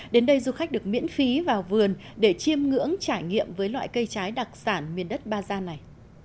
đến đây du khách được miễn phí vào vườn để chiêm ngưỡng trải nghiệm với loại cây trái đặc sản miền đất ba gian này